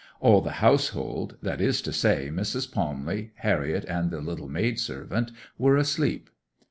All the household—that is to say, Mrs. Palmley, Harriet, and the little maid servant—were asleep.